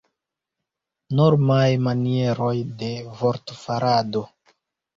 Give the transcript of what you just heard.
Normaj manieroj de vortfarado.